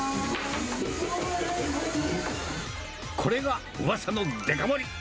これがうわさのデカ盛り。